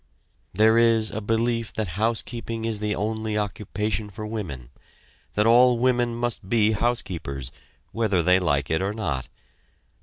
There is a belief that housekeeping is the only occupation for women; that all women must be housekeepers, whether they like it or not.